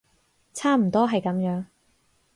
差唔多係噉樣